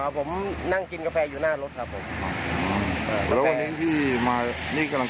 ผมนั่งกินกาแฟอยู่หน้ารถครับผมแล้ววันนั้นที่มานี่กำลัง